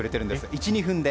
１２分で。